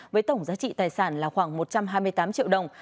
với tổng giá trị tài sản là khoảng một trăm hai mươi tám triệu đồng